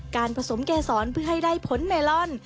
ผสมเกษรเพื่อให้ได้ผลเมลอน